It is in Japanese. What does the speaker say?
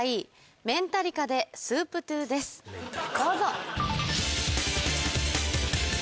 どうぞ。